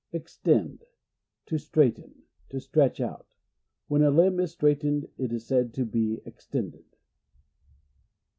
Extend. — To straighten; to stretch out. When a limb is straightened it is said to be extended.